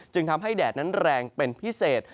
ทำให้แดดนั้นแรงเป็นพิเศษ